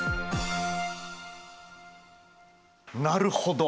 なるほど。